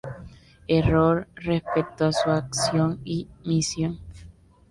Error respecto a su acción y misión.